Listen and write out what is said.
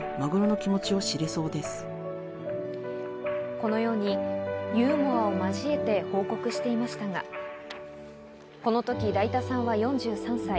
このようにユーモアを交えて報告しましたが、このときだいたさんは４３歳。